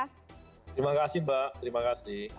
terima kasih mbak terima kasih